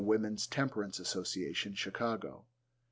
(Women's Temperance Association, Chicago.)